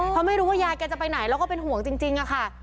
เพราะไม่รู้ว่ายายแกจะไปไหนแล้วก็เป็นห่วงจริงค่ะ